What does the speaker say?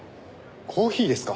コーヒーですか？